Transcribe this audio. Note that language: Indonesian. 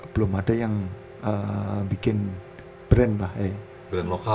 belum ada yang bikin brand lah ya